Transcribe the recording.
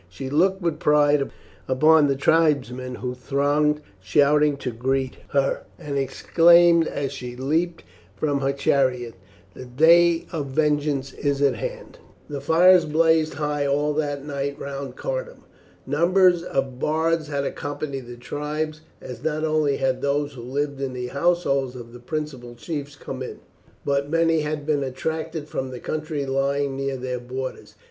She looked with pride upon the tribesmen who thronged shouting to greet her, and exclaimed as she leapt from her chariot, "The day of vengeance is at hand." The fires blazed high all that night round Cardun. Numbers of bards had accompanied the tribes, as not only had those who lived in the households of the principal chiefs come in, but many had been attracted from the country lying near their borders.